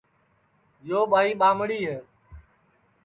یو ٻائی ٻامڑی ہے